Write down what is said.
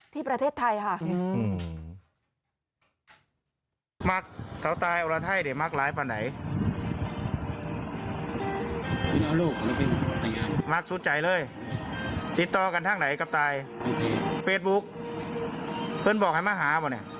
ที่ประเทศไทยค่ะ